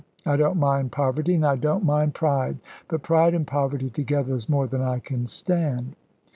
I don't mind poverty, and I don't mind pride but pride and poverty together is more than I can stand."